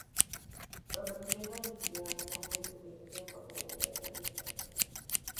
Los religiosos recibieron una indemnización por tener que dejar sus posesiones.